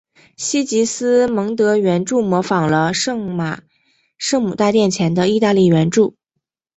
西吉斯蒙德圆柱模仿了罗马圣母大殿前的意大利圆柱。